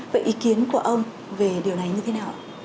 vậy ý kiến của ông về điều này như thế nào